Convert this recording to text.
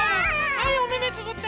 はいおめめつぶって。